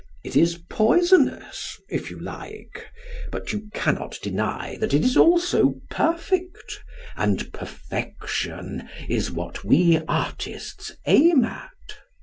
It is poisonous, if you like, but you cannot deny that it is also perfect, and perfection is what we artists aim at.